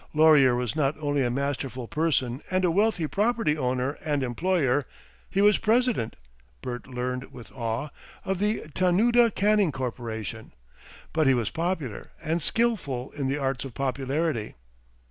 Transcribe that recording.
Laurier was not only a masterful person and a wealthy property owner and employer he was president, Bert learnt with awe, of the Tanooda Canning Corporation but he was popular and skilful in the arts of popularity.